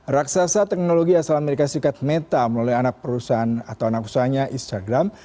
raksasa teknologi asal amerika serikat meta melalui anak perusahaan atau anak usahanya instagram